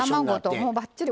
もうばっちり。